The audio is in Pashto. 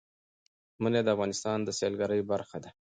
منی د افغانستان د سیلګرۍ برخه ده.